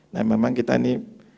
nah memang kita ini